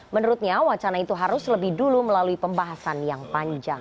menurutnya wacana itu harus lebih dulu melalui pembahasan yang panjang